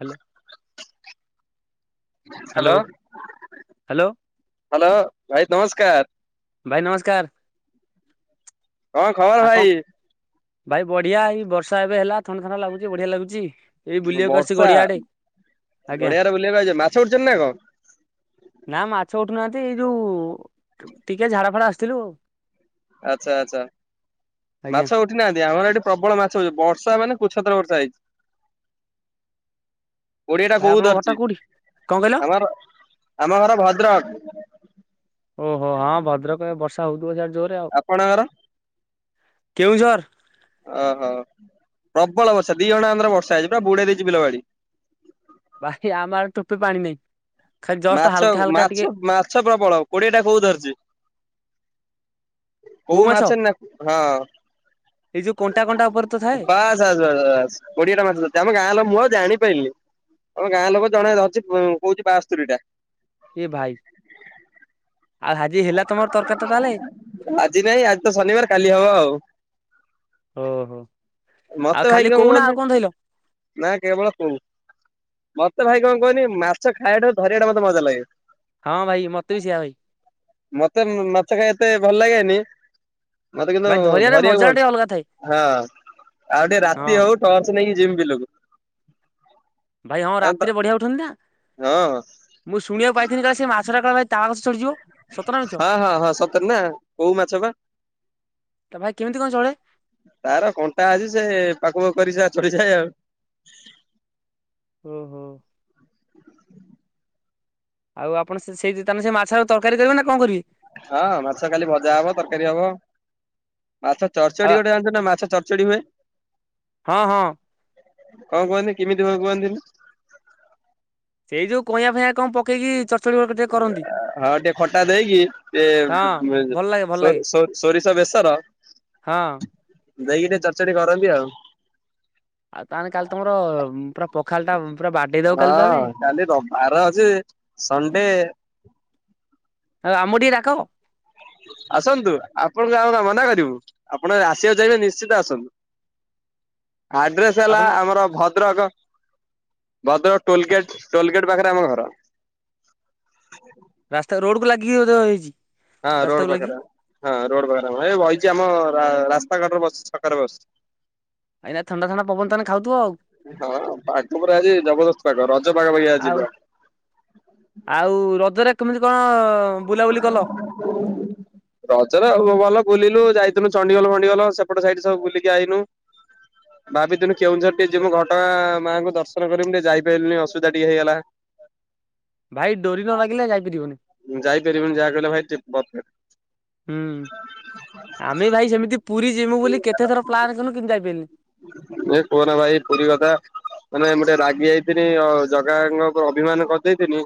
Hello. Hello hello hello ଭାଇ ନମସ୍କାର। ଭାଇ ନମସ୍କାର। କଣ ଖବର ଆଉ କଣ ଭାଇ? ଭାଇ ବଢିଆ ଏଇ ବର୍ଷା ଏବେ ହେଲା ଥଣ୍ଡାଥଣ୍ଡା ଲାଗୁଛି ବଢିଆ ଲାଗୁଛି। ଏଇ ବୁଲିବାକୁ ଆସିଛି ବର୍ଷା ଗଡିଆ ଆଡେ ଆଜ୍ଞା ବଡିଆରେ ବୁଲିବା ମାଛ ଉଠିଛନ୍ତି ନା କଣ? ନା ମାଛ ଉଠୁନାହାନ୍ତି, ଏଇ ଯୋଉ ଟିକେ ଝାଡା ଫଡା ଆସିଥିଲୁ ଆଉ ଆଛା ଆଚ୍ଛା ଆଜ୍ଞା ମାଛ ଉଠି ନାହାନ୍ତି, ଆମର ଏଠି ପ୍ରବଳ ମାଛ ବର୍ଷା ମାନେ କୁସତର ବର୍ଷା ହେଇଛି। କୋଡିଏ ଟା ଭାଇ କୋଉ ଆପଣଙ୍କ ଘରଟା ଧରିଛି କୋଉଠି କଣ କହିଲ ଆମର ଆମ ଘର ଭଦ୍ରକ। ଓହୋ ହଁ ଭଦ୍ରକ ବର୍ଷା ଦୁ ହଜାର ଜୋରରେ ଆଉ ଆପଣଙ୍କର? କେଉଁଝର। ଓହୋ ପ୍ରବଳ ବର୍ଷା ଦି ଘଣ୍ଟା ଧରେ ବର୍ଷା ହେଇଛି ପୁରା ବୁଡେଇ ଦେଇଛି ବିଲବାଡି। ଭାଇ ଆମଆଡ଼େ ଟୋପେ ପାଣି ନାହିଁ। ଖାଲି ଜଷ୍ଟ ମାଛ ହାଲକା ହାଲକା ଟିକେ ମାଛ ମାଛ ପ୍ରବଳ କୋଡିଏଟା କୋଉ ଧରିଛି। କୋଉ ମାଛ ନା ହଁ ଏଇ ଯୋଉ କଣ୍ଟା କଣ୍ଟା ଉପରେ ତ ବାସ ଥାଏ ବାସ ବାସ ବାସ କୋଡିଏଟା ମାଛ [unintelligible] ପାଇଲିନି ଆମ ଗାଁ ଲୋକ ଜଣେ ଧରିଛି କହୁଛି ବାସ୍ତୁରୀଟା ଏ ଭାଇ। ଆଉ ଆଜି ହେଲା ତମର ତରକାରୀ ଟା ତାହେଲେ ଆଜି ନାଇଁ ଆଜି ତ ଶନିବାର କାଲି ହବ ଆଉ ହଁ ହୋଁ। ମତେ ଭାଇ [unintelligible] କେବଳ କୋଉ ମତେ ଭାଇ କଣ କହୁନି ମାଛ ଖାଇବାଟା ଧରିବାଟା ମତେ ମଜା ଲାଗେ। ହଁ ଭାଇ ମତେ ବି ସେଇଆ ଭାଇ। ମତେ ମାଛ ଖାଇ ଏତେ ଭଲ ଲାଗେନି ମତେ କିନ୍ତୁ ଭାଇ ଧରିବାରେ ମଜା ଧରିବାକୁ ଟିକେ ଅଲଗା ଥାଏ। ପଛି ହଁ ଆଉ ଟିକେ ହଁ ରାତି ହଉ ଟର୍ଚ ନେଇକି ଜିମି ବିିଲକୁ। ଭାଇ ହଁ ରାତିରେ ବଢିଆ ଉଠନ୍ତି ନା। ମୁଁ ଶୁଣିବାକୁ ପାଇଥିଲିନି କା ସେ ମାଛଟା କାଳେ ଭାଇ ତାଳ ଗଛ ଚଡିଯିବ? ହଁ ହଁ ହଁ ସତରେ ନା କୋଉ ମାଛ ବା। ତା ଭାଇ କେମିତି କଣ ଚଢେ? ତାର କଣ୍ଟା ଅଛି ସେ ପାଖ ପାଖ କରି ସ ଚଢ଼ିଯାଏ ଆଉ। ଓହୋ। ଆଉ ଆପଣ ସେଇ ତାହଲେ ସେ ମାଛ ଆ ତରକାରୀ କରିବେ ନା କଣ କରିବେ? ହଁ ମାଛ ଖାଲି ଭଜା ହବ ତରକାରୀ ହବ। ମାଛ ଚରଚଡି ଆଉ ଗୋଟେ ଜାଣିନ୍ତୁ ନା ମାଛ ଚରଚଡି ହୁଏ। ହଁ ହଁ। କଣ କୁହନ୍ତି କେମିତି [unintelligible] ଏଇ ଯୋଉ କଇୟା ଫଁଇଆ କଣ ପକେଇକି ଚଡଚଡି ଟିକେ କରନ୍ତି। ହଁ ଟିକେ ଖଟା ଦେଇକି ହଁ ଟ ଭଲ ଲାଗେ ଭଲ ସୋ ଲାଗେ ସୋ ସୋରିଷ ବେସର। ହଁ। ଦେଇକି ଟିକେ ଚଡ଼୍ଚଡ଼ି କରନ୍ତି ଆଉ ଆଉ ତାହେଲେ କାଲି ତମର ପୁରା ପଖାଳ ଟା ପୁରା ବାଡେଇ ଦବ କାଲି ତାହେଲେ ହଁ କାଲି ବାର ଅଛି ସଣ୍ଡେ। ହ ଆମକୁ ଟିକେ ଡାକ। ଆସନ୍ତୁ ଆପଣଙ୍କୁ ଆମ କଣ ମନା କରିବୁ ଆପଣ ଆସିବାକୁ ଚାଇଁବେ ନିଶ୍ଚିତ ଆସନ୍ତୁ। ଆଡ୍ରେସ ହେଲା ଆପଣ ଆମର ଭ ଭଦ୍ର ଭଦ୍ରକ ଟୋଲଗେଟ ଟୋଲ ଗେଟ ପାଖରେ ଆମ ଘର। [unintelligible] ରାସ୍ତା ରୋଡ କୁ ଲାଗିକି ବୋଧେ ହେଇଛି। ହଁ ରୋଡ ରାସ୍ତାକୁ ଲାଗି ପାଖରେ ହଁ ରୋଡ ପାଖରେ ଏ ବହିଛି ଆମ ରାସ୍ କଡ଼ରେ ବସିଚି ଛକରେ ବସିଚି। ଏାଇନା ଥଣ୍ଡା ଥଣ୍ଡା ପବନ ତ ଏନା ଖାଉଥିବ ଆଉ ହଁ ପାଗ ପରା ଆଜି ଜବରଦସ୍ତ ପାଗ ରଜ ପାଗ ଭଳି ଆଉ ଆଜି ପା ଆଉ ରଜରେ କେମିତି କଣ? ବୁଲାବୁଲି କଲ? ରଜରେ ଭ ଭଲ ବୁଲିଲୁ ଯାଇ ଥିନୁ ଚଣ୍ଡିଗଲ ଫଣ୍ଡିଗଲ ସେପଟ ସାଇଟି ସବୁ ବୁଲିକି ଆଇନୁ। ଭାବି ଥିନୁ କେଉଁଝର ଟିକେ ଯିବୁ ଘଟଗା ଆ ମାଙ୍କୁ ଦର୍ଶନ କରିମି ଟିକେ ଯାଇପାରିଲିନି ଅସୁବିଧା ଟିକେ ହେଇଗଲା। [inaudible] ଭାଇ ଡୋରି ନ ଲାଗିଲେ ଯାଇପାରିବନି। ଯାଇପାରିବନି ଯାହା କହଲେ ଭାଇ ଟି ପରଫେ ହୁଁ ଆମେ ଭାଇ ସେମିତି ପୁରୀ ଜିମୁ ବୋଲି କେତେଥର ପ୍ଲାନ୍ କନୁ କିନ୍ତୁ ଯାଇପାରିଲିନି। ଏ କୁହନା ଭାଇ ପୁରୀ କଥା। ମାନେ ମୁ ଟିକେ ରାଗି ଯାଇଥଥିଲି ଜଗାଙ୍କ ଉପ ଅଭିମାନ କରିଦେଇଥିନି।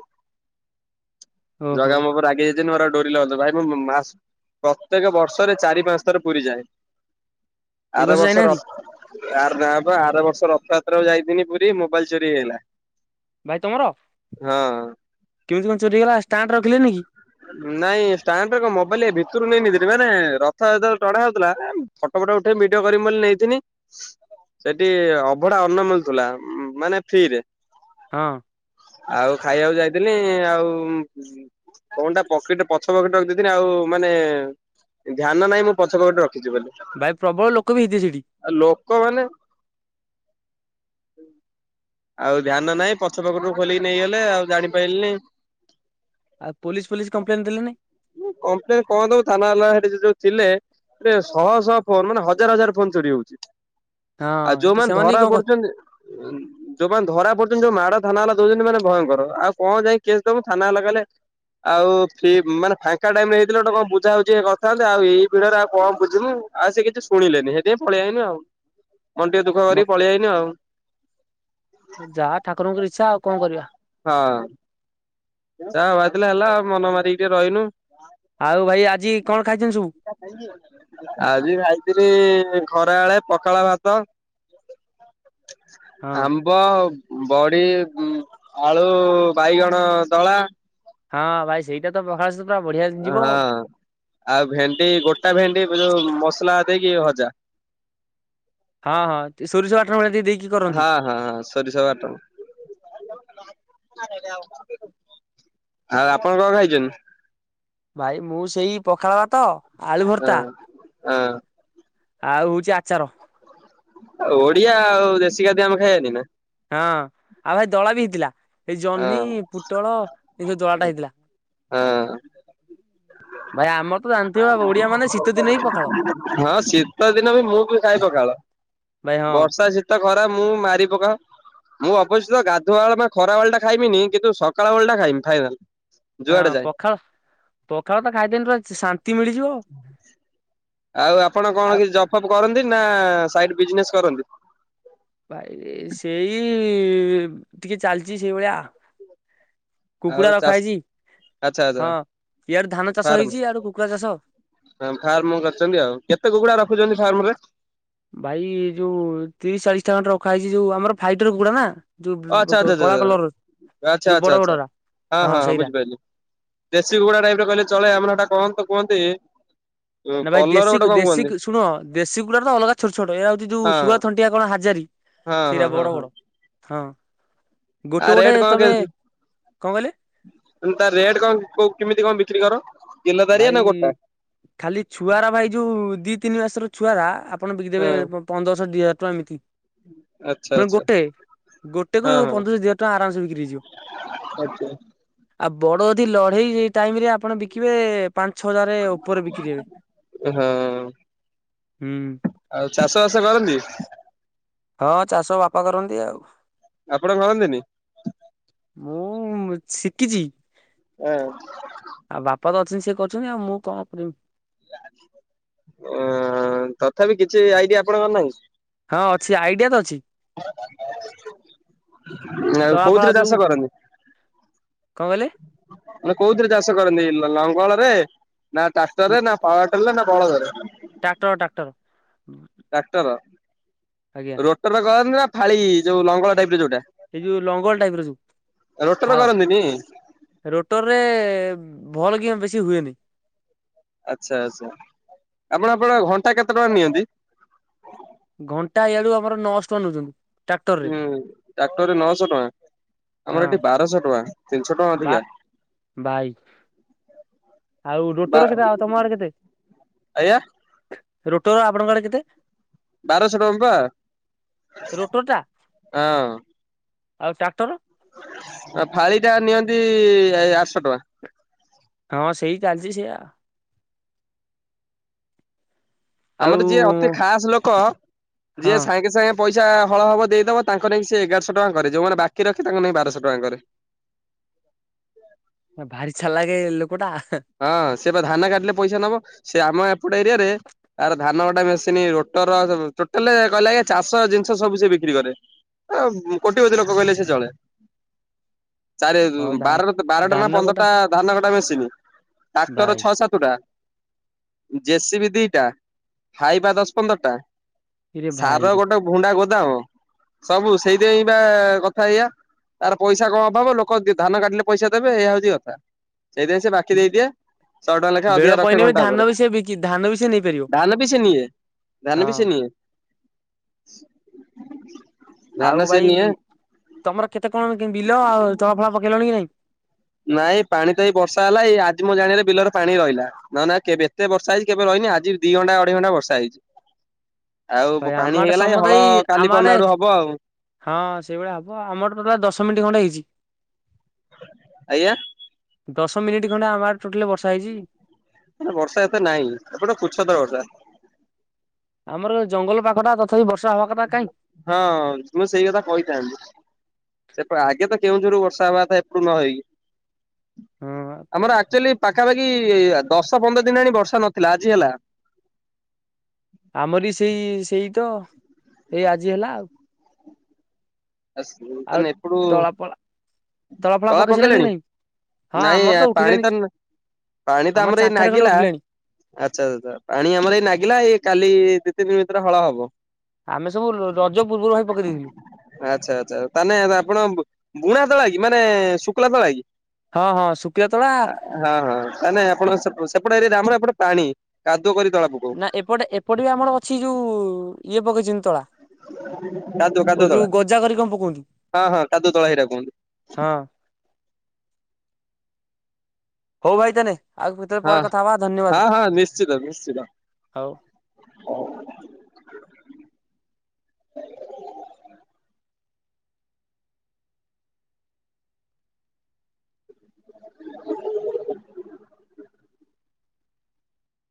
ଓହୋ ଜଗା ମୋ ଉପରେ ରାଗି ଯାଇଚି ନ ଆଉ ଡୋରି ଲଚ ପାହେ ମ ମ ମାସ ପ୍ରତ୍ୟେକ ବର୍ଷରେ ଚାରି ପାଞ୍ଚ ଥର ପୁରୀ ଯାଏ। ଏଇ ଆର ବର୍ଷ ବର୍ଷର ଆ ଯାଇନାହାନ୍ତି? ଆର ନାଁ ପା ଆର ବର୍ଷର ରଥଯାତ୍ରା କୁ ଯାଇଥିନି ପୁରୀ ମୋବାଇଲ ଚୋରି ହେଇଗଲା। ଭାଇ ତମର ହଁ କେମିତି କଣ ଚୋରିହେଇଗଲା? ଆ ନାଇଁ ଷ୍ଟାଣ୍ଡ କନମୋବାଇଲ ଭିତରୁ ନେଇନଥିନି। ମାନେ ରଥ ଯେତେବେଳେ ଟଢା ହଉଥିଲା ଫଟୋ ଫଟୋ ଉଠେଇ ଭିଡିଓ କରିମି ବୋଲି ନେଇଥିନି ସେଠି ଅଭଢା ଅନ୍ନ ମିଳୁଥିଲା ମାନେ ଫ୍ରିରେ। ହଁ। ଆଉ ଖାଇବାକୁ ଯାଇଥିଲି ଆଉ ଫୋନଟା ପକେଟ୍ ପଛ ପକେଟ ରେ ର ଲଖିଦେଇଥିଲି ଆଉ ମାନେ ଧ୍ୟାନ ନାାଇଁ ମୁଁ ପଛ ପକେଟ୍ ରେ ରଖ ଖିଚି ବୋଲି ଭାଇ ପ୍ରବଳ ଲୋକ ବି ହେଇଥିଲେ ସେଠି। ଆଉ ଲୋକମାନେ। ଆଉ ଧ୍ୟାନ ନାହିଁ ପଛ ପକଟ ରୁ ଖୋଲିକି ନେଇଗଲେ ଆଉ ଜାଣିପାରିଲିନି। ଆଉ ପୋଲିସ ପୋଲିସ କମ୍ପ୍ଲେନ୍ ଦେଲେନି। କମ୍ପ୍ଲେନ କଣ ଦବୁ ଥାନା ହେଲା ସେଠି ଯଉ ଥିଲେ। ସେ ଶହ ଶହ ଫୋନ ମାନେ ହଜାର ହଜାର ଫୋନ ଚୋରି ହଉଛି। ଆଉ ହଁ ଯୋଉମାନେ ସେମାନେ ବି ଧରା କଣ କ ପଡୁଛନ୍ତି ଯୋଉମାନେ ଧରା ପଡୁଛନ୍ତି ଯୋଉ ମା ଡ ଥାନା ହେଲା ଦଉଛନ୍ତି ମାନେ ଭୟଙ୍କର। ଆଉ କଣ ଯାଇ କେସ ଦବୁ ଥାନାବାଲା କହିଲେ ଆଉ ଫି ମାନେ ଫାଙ୍କା ଟାଇମରେ ହେଇଥିଲେ କଣ ବୁଝାବୁଝି କରିଥାନ୍ତେ ଆଉ ଏଇି ଭିଡରେ ଆଉ କଣ ବୁଝିବୁ ଆଉ ସେ କିଛି ଶୁଣିଲେନି ସେଥିପା ପଳେଇଆଇନୁ ଆଉ। ମନ ଟିକେ ଦୁଃଖ ମ କରିକି ପଳେଇଆଇନୁ ଆଉ। ଯାହା ଠାକୁରଙ୍କର ଇଚ୍ଛା ଆଉ କଣ କରିବା। ହଁ! ଯାହା ହେବାରଥିଲା ହେଲା ଆଉ ମନ ମାରିକି ଟିକେ ରହିନୁ। ଆଉ ଭାଇ ଆଜି କଣ ଖାଇଛନ୍ତି ସବୁ? ଆଜି ଭାବିଥିଲି ଖରାବେଳେ ପଖାଳଭାତ, ହଁ ଆମ୍ବ ବଡି, ଆଳୁ ବାଇଗଣ ଦଳା ହଁ ଭାଇ ସେଇଟା ତ ପଖାଲ ହଁ! ଆଉ ଭେଣ୍ଡି ଗୋଟା ଭେଣ୍ଡି ଯୋଉ ମସଲା ଦେଇକି ଭ ଜା ହଁ ହଁ ସୋରିଷ ବାଟଣ ଭଳିଆ ଟିକେ ଦେଇକି କରନ୍ତି। ହଁ ହଁ ହଁ ସୋରିସ ବାଟ ଆଉ ଆପଣ କଣ ଖାଇଛନ୍ତି? ଭାଇ ମୁଁ ସେଇ ପଖାଳଭାତ, ହଁ ଆଳୁଭରତା ହଁ! ଆଉ ହଉଛି ଆଚାର। ଆ ଓଡିଆ, ଆଉ ଦେଶୀ ଖାଦ୍ୟ ଆମେ ଖାଇଆନି ନା। ହଁ ଆଉ ଭାଇ ଦଳା ବି ହେଇଥିଲା। ଏଇ ହଁ ଜହ୍ନି, ପୋଟଳ ଏଇ ସବୁ ଦଳା ଟା ହେଇଥିଲା। ହଁ! ଭାଇ ଆମ ହଁ ଶୀତ ଦିନ ବି ମୁଁ ବି ଖାଏ ପଖାଳ। ଭାଇ ହଁ ବର୍ଷା, ଶୀତ, ଖରା ମୁଁ ମାରିିପକା ମୁଁ ଅବଶ୍ୟ ଗାଧୁଆଵେଳ ଖରାବେେଳ ଟା ଖାଇମିନି କିନ୍ତୁ ସକାଳବେଳ ଟା ଖାଇମି ଖାଈବା। ହଁ ପଖାଳ, ପଖାଳ ତ ଖାଇଦନ ର ଶାନ୍ତି ମିଳିଯିବ। ଆଉ ଆପଣ କଣ ଆଉ କିଛି ଜବ୍ ଫପ୍ କରନ୍ତି ନା ସାଇଡ ବିଜନେସ କରନ୍ତି? ଭାଇରେ ସେଇ ଟିକେ ଚାଲିଛି ସେଇ ଭଳିଆ। ଆଉ କୁକୁଡ଼ା ରଖା ଚାଷ ହେଇଛି, ଆଚ୍ଛା ଆଚ୍ଛା ହଁ ଇଆଡୁ ଧାନ ଚାଷ ହେଇଛି ଆଡୁ କୁକୁଡ଼ା ଚାଷ। ହ ଫାର୍ମ କରିଛନ୍ତି ଆଉ। କେତେ କୁକୁଡା ରଖୁଛନ୍ତି ଫାର୍ମରେ? ଭାଇ ଯୋଉ ତିରିଶ ଚାଳିଶ ଟା ଖଣ୍ଡେ ରଖାହେଇଛି ଯୋଉ ଆମର ଫାଇଟର କୁକୁଡା ନା ଆଚ୍ଛା, ଯୋଉ ଆଚଛଛ କଳା କଲର ଆଚଛା ଯୋଉ ବଡ ଆଚଛା ଆଛା ବଡରା ହଁ ହଁ ହଁ ବୁଝିପାଇଲି। ଦେଶୀ କୁକୁଡା ଟାଇପ ର କହିଲେ ଚଳେ ଆମର ଏଟା କଣ ତ କୁହନ୍ତି। ନା ଭାଇ କଲର ଦେଶୀ ଗୋଟେ କଣ ଦେଶୀ କୁହନ୍ତି ଶୁଣ ଦେଶୀ କୁକୁଡ଼ା ତ ଅଲଗା ଛୋଟ ଛୋଟ ଏ ହଉଛି ଯୋଉ ହଁ। ଶୁଆ ଥଣ୍ଟିଆ କଣ ହାଜାରି। ହଁ ହଁ ହଁ ହଁ! ହଁ। ଆ ଗୋଟେ ଗୋଟେ ରେଟ କଣ? ତମେ କଣ କହିଲେ ତା ରେଟ କଣ କ କେମିତି କଣ ବିକୁ କର କିଲୋଦରିଆ ଭାଇ ନା ଗୋଟା? ଖାଲି ଛୁଆର ଭାଇ ଯୋଉ ଦି ତିନି ମାସର ଛୁଆର ଆପଣ ହଁ ବିକିଦେବେ ପନ୍ଦରଶହ ଦି ହଜାର ଏମିତି। ଆଚ୍ଛା ଆଚ୍ଛା ଗୋଟେ। ଗୋଟେ ହଁ କୁ ହଁ ପନ୍ଦରଶ ଦି ହଜାରେ ଟଙ୍କା ଆରାମେସେ ବିକ୍ରି ହେଇଯିବ। ଆଚ୍ଛା! ଆଉ ବଡ ଅଧି ଲଢେଇ ଟାଇମରେ ଆପଣ ବିକିବେ ପାଞ୍ଚ ଛ ହଜାର ଉପରେ ବିକ୍ରି ହେବେ। ହଁ ହୁଁ ଆଉ ଚାଷବାସ କରନ୍ତି? ହଁ! ଚାଷ ବାପା କରନ୍ତି ଆଉ। ଆପଣ କରନ୍ତିନି? ମୁଁ ଶିଖିଛି, ଅଁ ଆଉ ବାପା ତ ଅ ସେ କରୁଛନ୍ତି ଆଉ, ମୁଁ କଣ କରିବି? ଅ ତଥାପି କିଛି ଆଇଡିଆ, ଆପଣଙ୍କର ନାହିଁ? ହଁ ଅଛି, ଆଇଡିଆ ତ ଅଛି। ଆଉ ତଳା ଫାଳ କୋଉଥିରେ ଯୋଉ ଚାଷ କରନ୍ତି? କଣ କହିଲେ? ମାନେ କୋଉଥିରେ ଚାଷ କରନ୍ତି, ଲଙ୍ଗଳ ରେ, ନା ଟ୍ରାକ୍ଟର ରେ, ନା ପାୱାର ଟେଲ୍ ରେ ନା ବଳଦରେ? ଟ୍ରାକ୍ଟର, ଟ୍ରାକ୍ଟର ଟ୍ରାକ୍ଟର ଆଜ୍ଞା ରୋଟରରେ କରନ୍ତି ନା ଫାଳି ଯୋଉ ଲଙ୍ଗଳ ଟାଇପ ର ଯୋଉଟା। ଏଇ ଯୋଉ ଲଙ୍ଗଳ ଟାଇପ ର ଯୋଉ ରୋଟର ଫାଳ। କରନ୍ତିନି ରୋଟରରେ ଭଲ କିନା ବେଶୀ ହୁଏନି। ଆଚ୍ଛା, ଆଚ୍ଛା, ଆପଣ ଆପଣ ଘଣ୍ଟାକୁ କେତେ ଟଙ୍କା ନିଅନ୍ତି? ଘଣ୍ଟା ଇଆଡ଼ କୁ ଆମର ନଅଶ ଟଙ୍କା ନେଉଛନ୍ତି। ହୁଁ ଟ୍ରାକ୍ଟରରେ ନଅଶହ ଟଙ୍କା, ଆମର ହଁ ଏଠି ବାରଶହ ଟଙ୍କା। ତିନିଶହ ଟଙ୍କା ବା ଅଧିକା ବାଇ ଆଉ ବା ରୋଟର କେତେ ଆଉ ତମ ଆଡେ କେତେ? ଆଜ୍ଞା ରୋଟର ଆପଣଙ୍କ ଆଡେ କେତେ? ବାରଶହ ଟଙ୍କା ପା, ରୋଟର ଟା ହଁ। ଆଉ ଟ୍ରାକ୍ଟର? ଆ ଫାଳି ଟା ନିଅନ୍ତି ଆଠଶହ ଟଙ୍କା। ହଁ ସେଇ ଚାଲିଛି ସେୟଆ ଆଉ ଆମର ଯିଏ ଅତି ଖାସ ଲୋକ, ହଁ ଯିଏ ସାଙ୍ଗେ ସାଙ୍ଗେ ପଇସା ହଳ ହବ ଦେଇଦବ, ତାଙ୍କ ନାଗି ଏଗାରଶ ଟଙ୍କା କରେ ଯୋଉମାନେ ବାକି ରଖେ ତାଙ୍କ ନେଇ ବାରଶହ ଟଙ୍କା କରେ। [inaudible] ଭାରି ଚାଲାଖେ ଲୋକଟା ହଁ ସେ ବା ଧାନ କାଟିଲେ ପଇସା ନବ, ସେ ଆମ ଏପଟେ ଏରିଆରେ ତାର ଧାନ ଗଟ ମେସିନ୍, ରୋଟର ଟୋଟାଲ କହିଲେ, ଆଜ୍ଞା ଚାଷ ଜିନିଷ ସବୁ ସେ ବିକ୍ରି କରେ ଆ କୋଟି ପତି ଲୋକ କହଲେ ସେ ଚଳେ ଚାରେ ହଁ ଧା ବାର ବାରଟା ନା ଧାନ କଟା ପନ୍ଦରଟା ଧାନ କଟା ମେସିନୀ ଟ୍ରାକଟର ଭାଇ ଛଅ ସାତ ଟା ଜେ ସି ବି ଦିଟା, ହାଇବା ଦଶ ପନ୍ଦର ଟା ଇରେ ସାର ଭାଇରେ ଗୋଟେ ଭୁଣ୍ଡା ଗୋଦାମ, ସବୁ ସେଇଥିପାଇଁ ବା କଥା ଏଇଆ ତାର ପଇସା କଣ ଅଭାବ, ଲୋକ ଧାନ କାଟିଲେ ପଇସା ଦେବେ, ଏଇଆ ହଉଛି କଥା ସେଇଥିପାଇଁ ବାକି ଦେଇଦିଏ। ଶହେ ଟଙ୍କା ଲେଖାଏ, ବେଳ ଅଧିକା ରଖେ ପଇଲେ ବି ଘଣ୍ଟା ଧାନ ଉପରେ, ବି ସେ ବିକି ଧାନ ବି ସେ ନେଇପାରିବ। ଧାନ ବି ସେ ନିଏ ଧାନ ବି ସେ ହଁ ନିଏ ଧାନ ଆଉ ସେ ଭାଇ, ନିଏ ତମର କେତେ କଣ ବିଲ, ଆଉ ଚଳାଫଳା ପକେଇଲଣି କି ନାଇଁ? ନାଇଁ ପାଣି ତ ଏଇ ବର୍ଷା ହେଲା, ଏଇ ଆଜି ମୁଁ ଜାଣିଲେ ବିଲରେ ପାଣି ରହିଲା, ନା ନା କେବେ ଏତେ ବର୍ଷା ହେଇଛି କେବେ ରହିନି ଆଜି ଦି ଘଣ୍ଟା ଅଢେଇ ଘଣ୍ଟା ବର୍ଷା ହେଇଛି। ଆଉ ଭାଇ ପାଣି ଆମ ଆଡେ ହେଇଗଲା ଏ ସମତେ ହଳ ଏଇ କାଲି ଆମ ପରଦିନ ଆଡେ ଆଡୁ ହବ ଆଉ ହଁ ସେଇଭଳିଆ ହବ ଆମର ଟୋଟାଲ ଦଶ ମିନିଟ୍ ଖଣ୍ଡେ ହେଇଛି। ଆଜ୍ଞା? ଦଶ ମିନିଟ୍ ଖଣ୍ଡେ ଆମ ଟୋଟାଲି ବର୍ଷା ହେଇଛି। ମାନେ ବର୍ଷା ଏତେ ନାଇଁ, ଏପଟେ କୁଛତର ବର୍ଷା ଆମର ଜଙ୍ଗଲ ପାଖ ଟା ହଁ ମୁଁ ସେଇ କଥା କହିଥାନ୍ତି, ସେ ଆଗେ ତ କେଉଁଝରୁ ବର୍ଷା ହେବାକଥା ଏପଟୁ ନ ହେଇକି, ହଁ ଆମର କଣ ଆକ୍ଚୁଆଲି ପାଖାପାଖି ଖୀ ଦଶ ପନ୍ଦର ଦିନ ଆଣି ବର୍ଷା ନଥିଲା ଆଜି ହେଲା। ଆମରି ସେଇ ସେଇ ତ ଏଇ ଆଜି ହେଲା ଆଉ ଆସ ଆଉ ତାନେ ଏପଟୁ ତଳା ଫଳା ଫଳା ତଳା ପକେଇ ସାରିଲଣି କି ପକେଇଲେଣି, ନାଇଁ? ହଁ ଆମର ନାଇଁ ପାଣି ଉଠିଲାଣି ତ ପାଣି ତ ଆମର ଏଇ ଚାଙ୍ଖାଟେ ଖଣ୍ଡେ ନାଗିଲା ଉଠିଲାଣି ଆଛା, ଛା ପାଣି ଆମର ଏଇ ନାଗିଲା ଏଇ କାଲି ତିନି ଭିତରେ ହଳ ହବ। ଆମେ ସବୁ ରଜ ପୂର୍ବରୁ ଭାଇ ପକେଇ ଦେଇଥିଲୁ। ଆଛା ଆଚ୍ଛା ତାନେ ଆପଣ ବୁଣା ତଳା କି ମାନେ ଶୁକ୍ଲା ତଳା କି? ହଁ ହଁ ଶୁଖିଲା ତଳା ହଁ ହଁ ତା ନେ ଆପଣଙ୍କ ସେପଟେ ଏରିଆରେ ଆମର ଏପଟେ ପାଣି କରି ତଳା ପକଉ ନା ଏପଟେ ଏପଟେ ବି ଆମର ଅଛି, ଯୋଉ ଇଏ ପକେଇଛନ୍ତି ତଳା କାଦୁ ଓ କାଦୁଅ ଯୋଉ ତଳା ଗଜା କରି କଣ ପକଉଛୁ ହଁ ହଁ କାଦୁଅ ତଳା ହେଇଟା ହଁ କହନ୍ତି। ହଉ ଭାଇ ତାହାଲେ ହଁ ହଁ ହଁ ନିଶ୍ଚିତ ନିଶ୍ଚିତ। [inaudible] ହଉ।